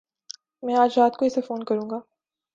میں اج رات کو اسے فون کروں گا۔